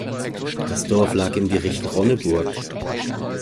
Das Dorf lag im Gericht Ronneburg.